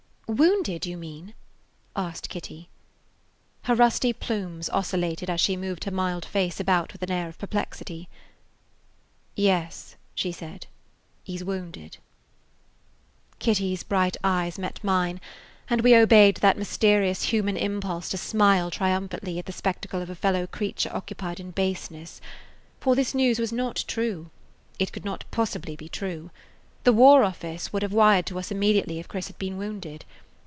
"Wounded, you mean?" asked Kitty. Her rusty plumes oscillated as she moved her mild face about with an air of perplexity. "Yes," she said, "he 's wounded." Kitty's bright eyes met mine, and we obeyed that mysterious human impulse to smile triumphantly at the spectacle of a fellow creature occupied in baseness. For this news was not true. It could not possibly be true. The War Office would have wired to us immediately if Chris had been wounded.